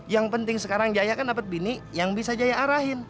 yang penting sekarang jaya kan dapat bini yang bisa jaya arahin